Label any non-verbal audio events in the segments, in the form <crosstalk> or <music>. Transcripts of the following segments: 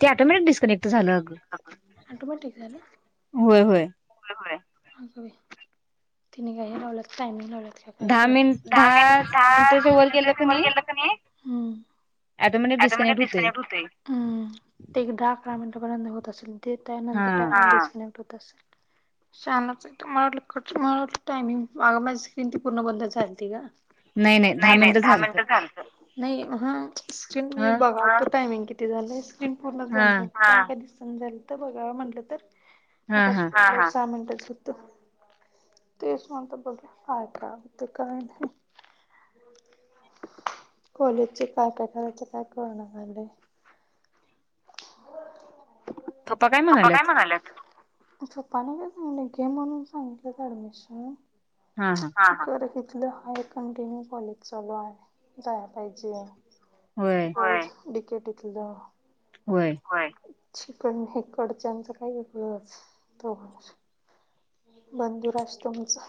ते automatic disconnect झालं अग मग ठीक झालं. होय होय तिने काही लावलं टाईम लावला. काय दहा मिट दहा मिनिट वर गेलं का नाही. आ तीस हो ते एक दहा अकरा मिनिटपर्यंत होत असेल ते त्यानंतर हा डिस्कनेक्ट होत असेल. शनाच तर म्ह वाटलं ख वाट टायमिंगग माझी स्क्रीन ती पूर्ण बंद झालती का. नाही नाही दहा मिनट झालतं. नाही हन मी बघा टायमिंग किती झालंय. पूर्ण बंद झाली. दिसन झालत तर बघा म्हटलं तर. मगाशी सहा मिनटाचं होतं. तेच म्हंटल बघूया काय काय होत काय नाही. कॉलेजचे काय काय करायचं काय कळना झाले. पप्पा काय म्हणाल्यात. पप्पाने काय सांगलं घे म्हणून सांगितलं ऍडमिशन. तिथलं हायं कंटिन्यू कॉलेज चालू आहे. जायला पाहिजे. <unintelligible> होय. पण इकडचं काय वेगळंच. बंधुराज तुमचं.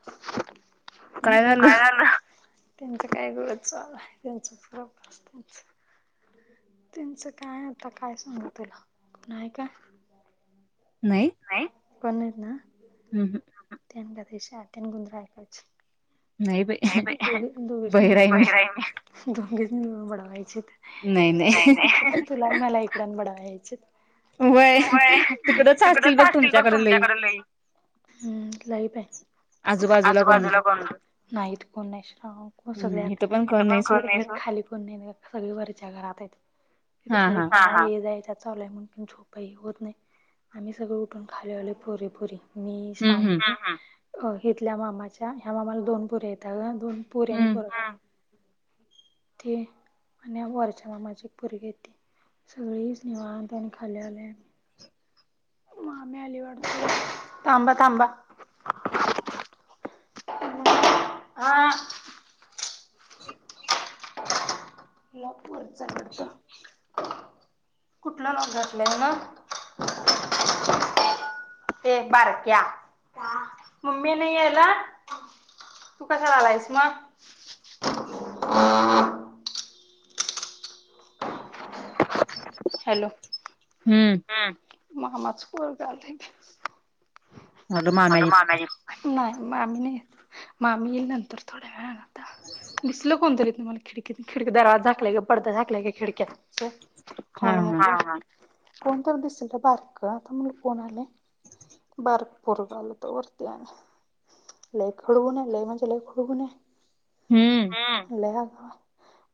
हम्म, काय झाल? त्यांचं काय वेगळंच चालू हाय. त्यांच <unintelligible> त्यांच. त्यांचं काय आता काय सांगु तुला. कोण आहे काय? नाही. कोण नाहीत ना? हम्म, हम्म. त्यां <unintelligible> कोण तर ऐकायच. दोघीसनी <unintelligible> दोघींसी पण बडवायचीत. नाही, नाही. तुला आणि मला इकडं येऊन बडवायचीत. होय तिकडंच असतील बघ तुमच्याकडं लई. हम्म लय बाई आजू बाजूला बघून नाहीत कोण नाही श सगळे आत खाली कोण नाही सगळी वरच्या घरात इथं सगळी <unintelligible> ते याच्यात चालू आहे म्हणून झोप हि होत नाही‌ आम्ही सगळी उठून खाली आलोय पोरी, पोरी. मी, श्रावणी इथल्या मामाच्या ह्या मामाला दोन पोरी आहेत्या गं. दोन पोरी आणि पोरगा हाय. ती आणि वरच्या मामाची एक पोरगी आहे ती. सगळीच निवांत आम्ही खाली आलोय. मामी आली वाटतं. थांबा, थांबा. हा. लॉकवरच हाय वाटत. कुठल लॉक घातलेय हेन? ये बारक्या, मम्मी नाही यायला? तू कशाला आलायस मग? हॅलो. हम्म. मामाचं पोरग आलंय. नाही मामी नाही येत‌. मामी येईल नंतर थोड्या वेळनं आता. दिसल कोणतरी तुम्हाला खिडकीत खिडकी दरवाजा झाकलाय का पडदा झाकलाय का खिडक्यांच. कोण तर दिसलं बारक आता म्हंटल कोण आलंय. बारक पोरग आलंय तोवर ते आणि लय खडगुणी हाय. लय म्हणजे लय खडगुनी हाय. हम्म. लय आगव हाय.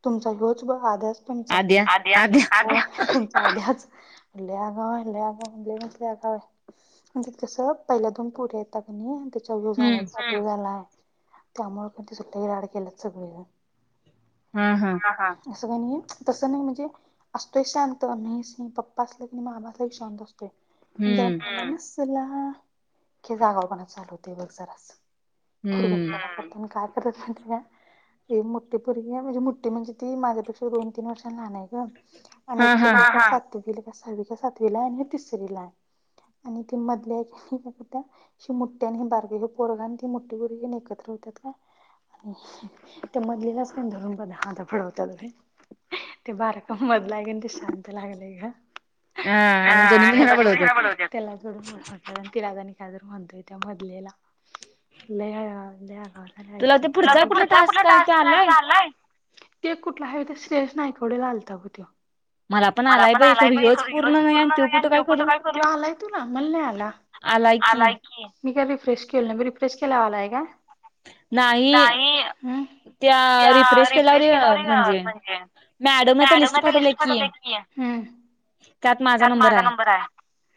तुमचा ह्योच बघ आद्याच. तुमचा. आद्या, आद्या. आद्याचं. लय आगाव हाय. लय आगाव लय म्हणजे लय आगाव आहे. म्हणजे कस पहिल्या दोन पोरी हायत्या की नई चौघीवर झालाय, पाठीवर झालाय. त्यामुळ नो पण तेचं लई लाड केल्यात सगळीजण. हं, हं. तस काय नाही, तस नाही म्हणजे असतोय शांत नाई असं नाही पप्पा असला कि मामा असला की शांत असतोय. पण जर मामा नसला, की हेजा आगाऊपणा चालू होतोय बघ जरास. खुडगुपपना करतोय आणि काय ती मोठ्ठी पुरगी हाय म्हणजे मुठठी म्हणजे ती माझ्यापेक्षा दोन तीन वर्षांन लहान आहे गं. आणि एकटी हाय सातवीला सहावी का सातवीला आणि ह्यो तिसरीला हाय. आणि ती मधली आहे ती काय करत्या ही मोठी आणि ही बारकी, पोरग आणि मोठी पोरगी युन एकत्र एक हुत्यात काय आणि त्या मधलीलाच क नई धरून बडवत्यात बाई. ते बारक मधलं आहे की नाही ते शांत लागलंय ग. हा दोन्ही मिळून हेला बडवत्यात, तेलाच धरून बडवत्यात आणि तिलाच आणि काय तर म्हणतोय त्या मधललीला लई हाय लई आगा आवाज आलय ऐकत तुला ते पुढचा कुठला टास्क हाय तो आलाय? ते एक कुठला आहे बघ ते श्रेयश नाईकवाडेला आलता बघ त्यो मला पण आलाय बाई खरं ह्योच पूर्ण होईना आणि त्यों कुठं काय करू त्यो आलाय तुला, मला नाही आला. आलाय की. मी काय रिफ्रेश केलं नाही मग रिफ्रेश केल्यावर आलाय काय. नाही त्या रिफ्रेश केल्यावर म्हणजे मॅडमने त्या लिस्ट पाठवलय ठवलेत की ह हम्म. त्यात माझा नंबर आहे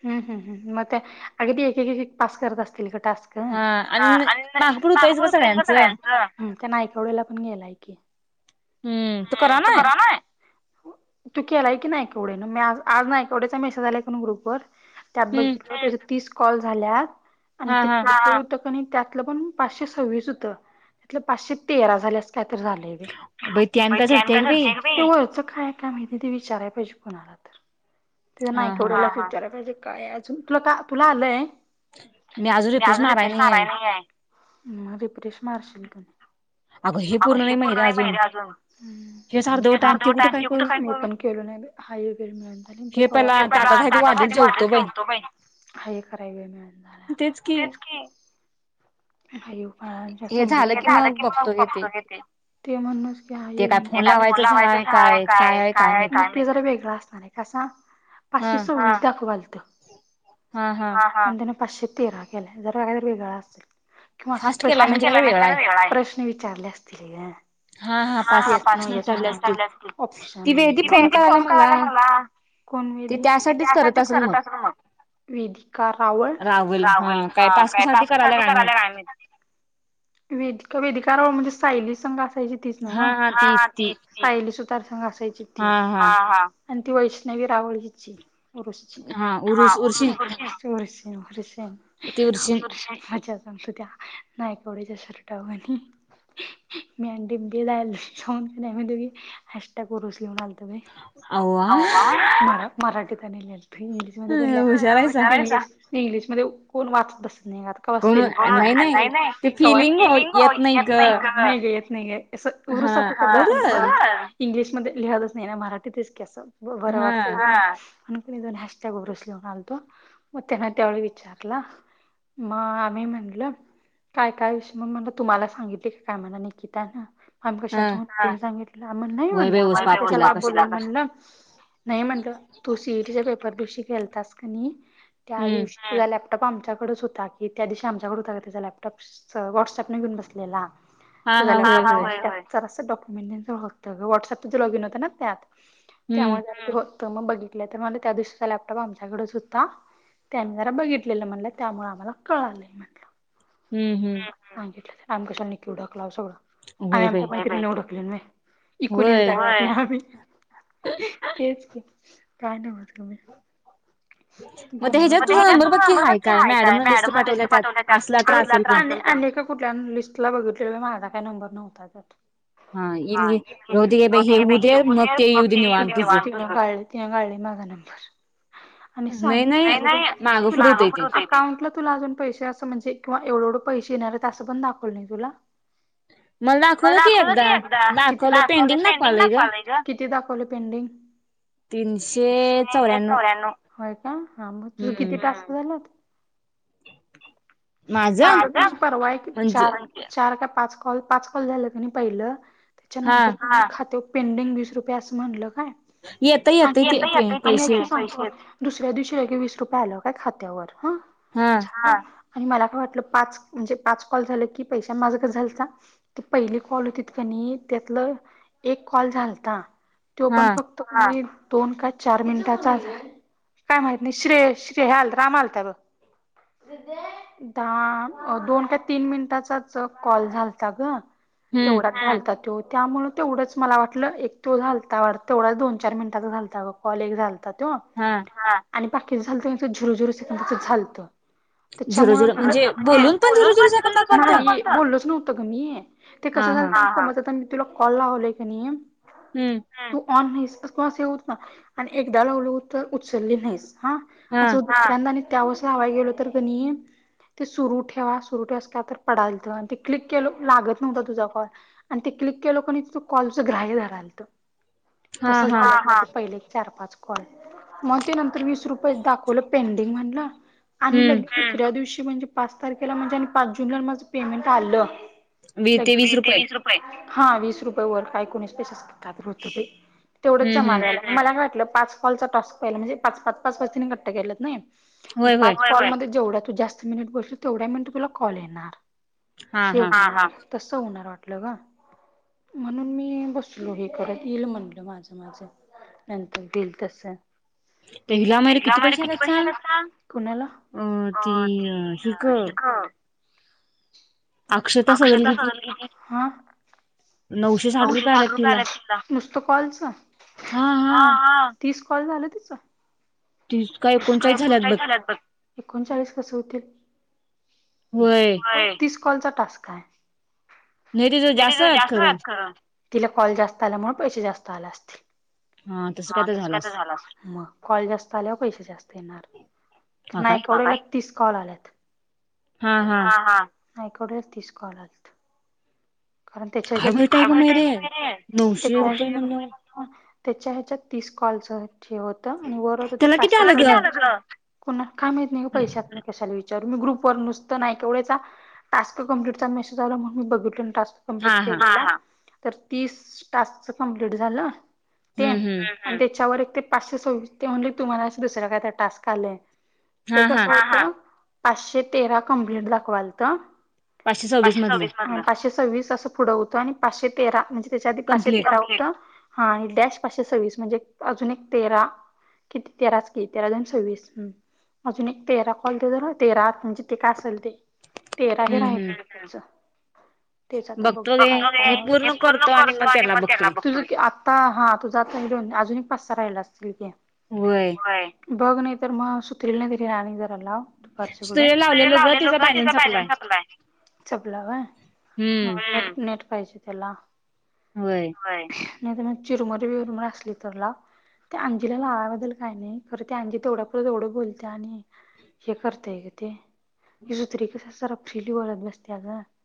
हम्म हम्म हम्म मग काय अगं ते एक एक एक पास करत असतील टास्क. आणि नामपण हुतयच ग सगळ्यांच, त्या नायकवडेला पण गेलाय की. हम्म त्यो करालाय. त्यो केलाय की नायकवडेन मी आज नायकवडेचा मेसेज आलाय का ग्रुप वर त्यात बागितलो तेज तीस कॉल झाल्यात आणि ते पुढच होत की त्यातलं पण पाचशे सव्वीस होत त्यात पाचशे तेरा झाल्यात. कायतर झालंय बाई होय आणि की आणि काय झडती हाय ग बाई. पुढच काय हाय काय माहिती ते विचाराय पाहिजे कोणाला तर ते आता नायकवडेलाच विचाराय पाहिजे. काय अजून तुला का तुला आलंय मी अजून रिफ्रेश माराय नाही आहे. मग रिफ्रेश मारशील की नाही अगं हे पूर्ण नाही मयरे अजून <unintelligible> हेच अर्धवट हाय आणि ते कुठं करू मी पण काय केलो नाही बाई हाय ह्यो वेळ मिळणं झालय आणि ते कुठे करू हे पहिला ताटात हाय वाजून ठेवतो बाई, हाय हे कराय हुईना मला, तेच की. हाय ह्यो फळांच्या सम्रीतंन हे, झालं की मग बघतो मी ते ते म्हण हे हाय हे हुईना मला ते काय फोन लावायचं हाय काय काय हाय काय माहिती नाही ते जरा वेगळ असतय. आणि कसा पाचशे सव्वीस दाखवालंत. हा हा आणि तेन पाचशे तेरा केलाय जरा कायतर वेगळं असलं. किंवा अस प्रश्न फास्ट केलाय म्हणजे काय तर वेगळं हाय प्रश्न विचारले असतील ग. हा हा पाचशे प्रश्न विचारले असतील ती वेदी फोन कराला मला. कोण वेदी, ती त्यासाठीच करत असल मग. वेदिका रावळ रावल हा काय टास्कसाठी करायला काय माहीत. वेदिका वेदिका रावळ म्हणजे तिच ना सायली संग असायची तीच न्हव हा हा तिच सायली सुतार संग असा यांची ती हा हा आणि ती वैष्णवी रावळ हिची रूस ची हा ऊरुस्कोची. <unintelligible> नायकवडेच्या शर्टवर आणि मी आणि डी <unintelligible> आम्ही दोघी हॅशटॅग वर अव्वा होय मराठीत आणि इंग्लिशमध्ये पण ल इंग्लिशमध्ये कोण वाचतस. स्पेलिंग येत नाहीेत ग. उरुस आपण कर इंग्लिशमध्ये लिहितच नाही ना मराठीतच की असं बरं वाटत. अकणी दोन ह्यास्त्या गोबरस लहून आलतो मग त्यांना त्यावेळी विचारला म आमही म्हणलं काय काय विषय म्हण म्हला तुम्हाला सांगितले का काय म्हणा निकिता आहे ना आम्ही कशा सांगितलंम नाही म्हणलं <unintelligible> म्हणलं नाही म्हणलं तू सी ई टी च्या पेपर दिवशी खेळतास क त्या दिवशी तुझ लॅप लॅपटॉप आमच्याकडेच होता की त्या दिवशी आमच्याकडे होता का त्याचा लॅपटॉप व्हॉट्सअपनेेऊन बसलेला. हा हा होय. डॉक्युमेंटतं व्हॉट्सअप लॉगिन होतं ना त्यात त्यामुळे होत मग बघितलं तर म त्या दिवशीचा लॅपटॉप आमच्याकडेच होता त्यानी जरा बघितलेलं म्हटलं त्यामुळे आम्हाला कळालंय म्हटलं सांगितलं आम् कशा नक्की उडकला सगं आम्ही आमच्या कत उडकले इकूनच जा आम् तेच काय न होत मी हच्यात तुझ नंबर बक्की हय काय मॅडम न लिस्ट पाठवल्या त्यातला आणिम् का कुठल्या लिस्ट ला बघितले माझा काही नंबर नव्हता त्यात हाा माझा नंबर आणि तु अकाटला तुला अजून पैसे असं म्हणजे किंवा एवढढ पैसे तं पण दाखवल नाही तुला मला दाखवलं की एकदा किती दाखवले पेंडिंग दाखवालाय ग किती दाखवले पेंडिंग तीनशे चौऱ्याव होय का हा मग तु किती तास झालं म परवाय चार चार का कल झाहि त्याच्यानंतर पेंडिंग रुप अस म्ह ह य य त दुसऱ्या दिवशी के वीस रुपये आला काय खात्यावर ह छान आणि मला काय वाटलं पाच म्हणजे पाच कॉल झाल की पैसा माझाकच झालचा ते पहिले कॉल होती आणि त्यातला एक कॉल झालता तो पण फक्तही दोन का चार मिनिटाचा आहे काय माहित नाही श्रेय श्रय हल राम आल त्या बघ द दोन का तीन मिनिटाचाच कॉल झालता ग तेवढा घालतात त त्यामुळं तेवढंच मला वाटलं एक तो झालता तेवढाच दोन चार मिनिटातच घलता ग कॉल एक घलतात हा हा आणि बाकीच झालतं झुरू झुरू सेक तं झालतं त्याच्यामुळे बोललच नवत गमी आहे ते कसं झामत मी तुला कॉल लावलय का नाही हम्म ऑन नाहीस अस अस होत ना आणि एकदा लवलं तर उचलली नाहीस हा अ उंदा आणि त्यावस हवा गेलो तर कनी ते सुरू ठेवा सुरू ठेवास का पडालत ते क्लिक केलं लागत नव्हता तुझा कॉल आणि क्लिक के कॉलच ग्राह्य लत तसच पहिले चार पाच कॉल मग नंतर मी म्ह जे पाच तारखेला म्हणे पाच जूनला माझं पेमेंट आलं ते वीस रुपये हा वीस रुपये वर का एकोणीस पैसेचात होत तेवढंच जमा झाला मला वाटलं कॉल कट के नाही पा क जेव तू जास्त मिनिट बसल तेवढ्या मिनट तुला कॉल येणार शेवटी तस होणार वाटलं ग म्हणून मी बसलो हे करत येईल म्हणलं माझं माझं नंतर दिल तसम किती पशाला कुणाला अ ती अ शिक अक्षता सगल किती ह. नऊशे साठ रुपये आल्या त नुसत कॉलच हा हा कॉल झाल तिस ती का एकोणचाळीस झाल्यात बघ एकोणचाळीस कसे होतील तीस कॉलचा टास्कय ये तिज जास्त आल्यात खर, तिला कॉल जास्त आल्या मूळ पैसे जास्त आल असतील. हा, तस काय झालं असलं मग, कॉल जास्त आल्यावर पैसे न्हाई थोडे <unintelligible> तीस कॉल आल्यात. हा. हा. <unintelligible> तीस कॉल आल्यात. कारण तेज्या हेज्यात ततेच्या हेज्यात तीस कॉलसच होत, आणि वर होतं ते पाच पुन्हा काय माहीत नाही ग पैसे <unintelligible> कशाला विच <unintelligible> कम्प्लिट केलं, तर तीस टास्क च कम्प्लिट झालं ते आणि त्याच्यावर एक ते पाचशे सव्वीस ते म्हणले तुम्हाला दुसर्य काय तर टास्क आलय. ते कस होत पाचशे तेरा कमप्लीट दाखवालत पाचशे सव्वीस मधलं वीस अस पुढं होत, आणि पाचशे तेरा म्हणजे त्याच्या आधी पाचशे तेरा होत. हा, आणि डॅश पाचशे सव्वीस म्हणजे अजून एक तेरा किती तेराच कि, तेरा दोन सव्वीस, ह. अजून एक तेरा कॉल केलं तर तेरा आत म्हणजे ते काय असेल ते तेरा हे राहिलं त्यांचं तेच आता बघ पूर्ण करतो आणि म तुझ आता हा तुझ आता म अजून एक पाच सहा राहिल असतील घे. व्हय. बघ नाही तर मग सुप्रीला नाही तरी राणी जरा लाव. दुपारच्या पुुढ, सुप्रीला लावलेलो ग तिचा बॅलेन्स संपलाय. हो न नेट पाहिजे त्याला नाही तर मग चिरमुरी बरमर असली तर लाव. त्या अंजीला लावाबद्दल काय नाही, खरं ते आंजी तेवढ्या पुर्त तेवढं बोलत्या आणि हे करताय ग, ते <unintelligible> कस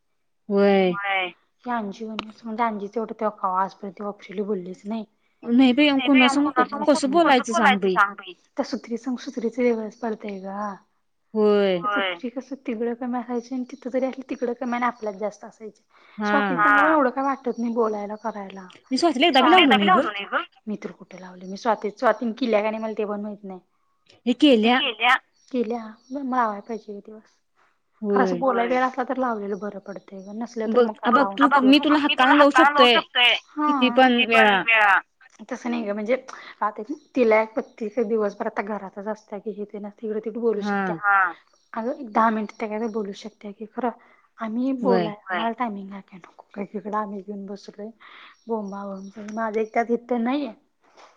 <unintelligible> <unintelligible> कस बोलायच सांग. पडतोय ग <unintelligible> तिकडं कमी असायची, आणि तिथं जरी अस तिकडं कमी आपल्यात जास्त असायची, स्वातीच् एवढं काय वाट बोलायला करायला, मी एकदा बी लावलो नाही ग. मी तर कुठे लावलोय, मी स्वातीन केल्या का नाही मला ते माहिती नाही केल्य केल्या <unintelligible> पाहिजे एक दिवस खर असं बोला गलं असला तर लावलेलं बरं पडत. <unintelligible> तसं नाही ग, म्हणजे आता तिला प्रत्यक दिवसभर आता घरातच असत की हे ते नसतं तिकडं तिकडे बोलू शकते, अग एक दहा मिनिट त्या बोलू शकते की खरं. बोलाय टाइमिंग नको <unintelligible> बोंबा माझेत इथे नाहीये <unintelligible> <inaudible>